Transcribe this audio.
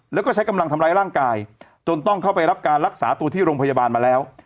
แล้วก็ใช้กำลังทำร้ายร่างกายจนต้องเข้าไปรับการรักษาตัวที่โรงพยาบาลมาแล้ว